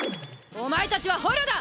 お前たちは捕虜だ！